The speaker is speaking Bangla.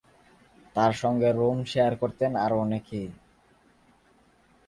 তাঁর সঙ্গে রুম শেয়ার করতেন আরও অনেকেই।